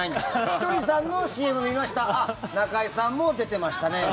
ひとりさんのＣＭ見ましたあ、中居さんも出てましたね。